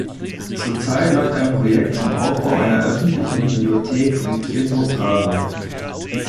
Zurzeit läuft ein Projekt zum Aufbau einer öffentlichen Bibliothek in Twifo-Praso.